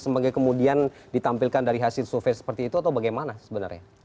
sebagai kemudian ditampilkan dari hasil survei seperti itu atau bagaimana sebenarnya